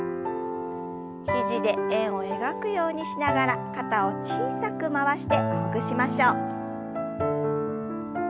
肘で円を描くようにしながら肩を小さく回してほぐしましょう。